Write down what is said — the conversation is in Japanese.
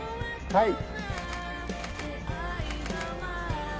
はい。